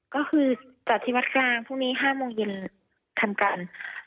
ก็คือจัดที่วัดกลางพรุ่งนี้๕โมงเย็นทำการ